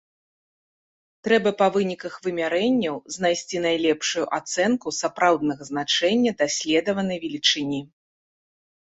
Трэба па выніках вымярэнняў знайсці найлепшую ацэнку сапраўднага значэння даследаванай велічыні.